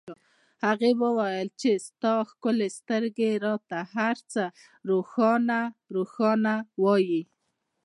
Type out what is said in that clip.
هغې وویل چې ستا ښکلې سترګې راته هرڅه روښانه روښانه وایي